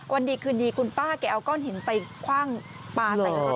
วันดีคืนดีคุณป้าแกเอาก้อนหินไปคว่างปลาใส่รถ